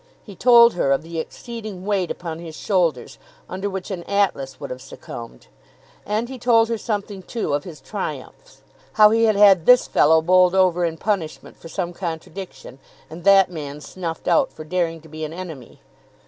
He told her of the exceeding weight upon his shoulders, under which an Atlas would have succumbed. And he told her something too of his triumphs; how he had had this fellow bowled over in punishment for some contradiction, and that man snuffed out for daring to be an enemy.